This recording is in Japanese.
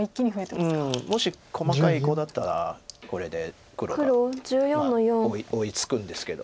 うんもし細かい碁だったらこれで黒が追いつくんですけど。